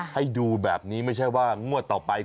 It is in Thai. ให้ดูแบบนี้ไม่ใช่ว่างวดต่อไป